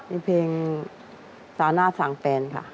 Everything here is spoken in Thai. มีเพลงซาน่าสั่งแฟนค่ะ